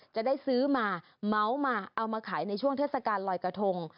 จะได้ซื้อมาเมาส์มาเอามาขายในช่วงเทศกาลลอยกระทง